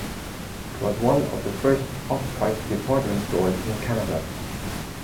It was one of the first off-price department stores in Canada.